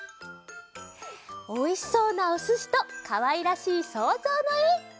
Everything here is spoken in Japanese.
おいしそうなおすしとかわいらしいそうぞうのえ。